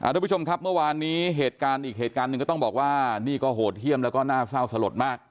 ทุกผู้ชมครับเมื่อวานนี้เหตุการณ์อีกเหตุการณ์หนึ่งก็ต้องบอกว่านี่ก็โหดเยี่ยมแล้วก็น่าเศร้าสลดมาก